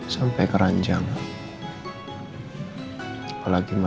gak ada apa apa